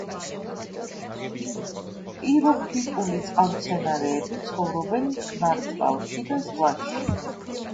პიროფიტული წყალმცენარეები ცხოვრობენ მტკნარ წყალში და ზღვაში.